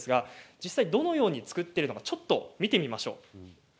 実際どのように作っているのか見てみましょう。